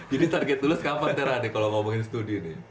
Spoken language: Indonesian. jadi target lulus kapan teran kalau ngomongin studi ini